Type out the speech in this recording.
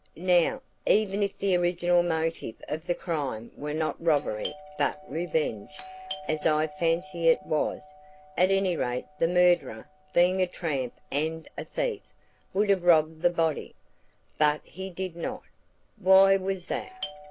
"Now, even if the original motive of the crime were not robbery but revenge as I fancy it was at any rate the murderer, being a tramp and a thief, would have robbed the body. But he did not. Why was that?